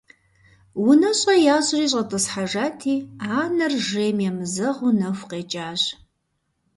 УнэщӀэ ящӀри щӀэтӀысхьэжати, анэр жейм емызэгъыу нэху къекӀащ.